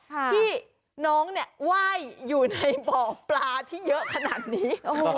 ที่น้องเนี่ยไหว้อยู่ในบ่อปลาที่เยอะขนาดนี้